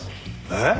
えっ？